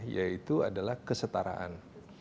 yaitu adalah kesetaraan